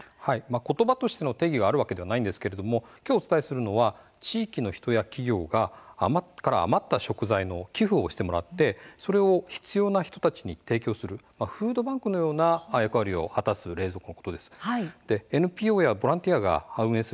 ことばとしての定義があるわけではないんですがきょうお伝えするのは地域の人や企業から余った食材を寄付してもらってそれを必要な人たちに提供するフードバンクのような役割を果たす冷蔵庫のことです。